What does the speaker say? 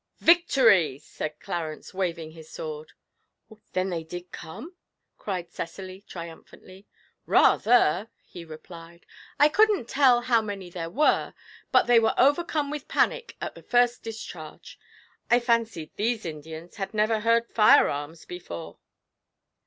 'Victory!' said Clarence, waving his sword. 'Then they did come?' cried Cecily, triumphantly. 'Rather!' he replied. 'I couldn't tell how many there were, but they were overcome with panic at the first discharge. I fancy these Indians had never heard firearms before.'